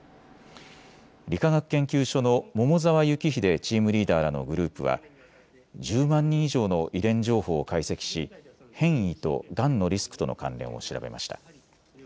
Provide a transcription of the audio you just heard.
理化学研究所の桃沢幸秀チームリーダーらのグループは１０万人以上の遺伝情報を解析し変異とがんのリスクとの関連を調べました。